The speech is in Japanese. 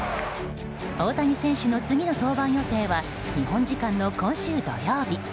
大谷選手の次の登板予定は日本時間の今週土曜日。